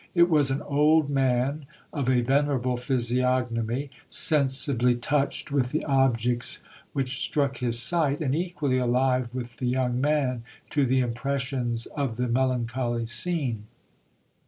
It was an old man of a venerable physiognomy, sensibly touched with the objects which struck his sight, and equally alive with the young man to the impressions of the melancholy scene.